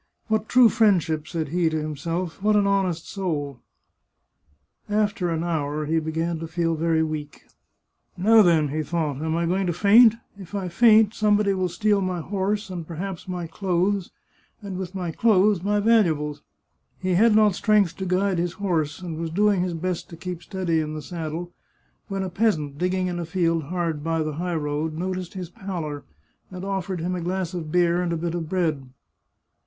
" What true friendship !" said he to himself ;" what an honest soul !" After an hour he began to feel very weak, " Now then," he thought, " am I going to faint ? If I faint some body will steal my horse, and perhaps my clothes, and with my clothes my valuables." He had not strength to guide his horse, and was doing his best to keep steady in the saddle, when a peasant digging in a field hard by the high road noticed his pallor, and offered him a glass of beer and a bit of bread.